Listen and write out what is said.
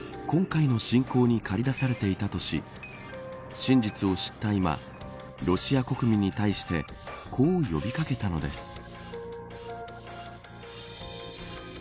今回の侵攻に駆り出されていたとし真実を知った今ロシア国民に対してこう呼び掛けたのです。